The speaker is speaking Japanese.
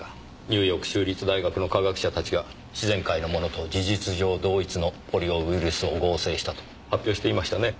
ニューヨーク州立大学の科学者たちが自然界のものと事実上同一のポリオウイルスを合成したと発表していましたね。